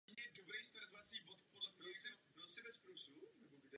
V Řecku tak zůstal až do konce svého života.